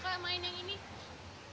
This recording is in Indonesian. capek apa main trampolin